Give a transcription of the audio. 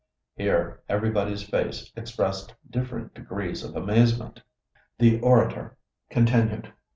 Here everybody's face expressed different degrees of amazement. The orator continued.